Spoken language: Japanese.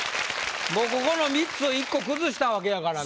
もうここの３つ１個崩したわけやからね。